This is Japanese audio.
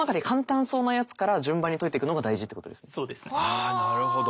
あなるほど。